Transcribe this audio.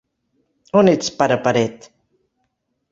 On ets, pare paret?